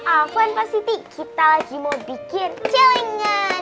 apaan pak siti kita lagi mau bikin celengan